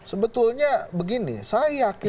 sebetulnya begini saya yakin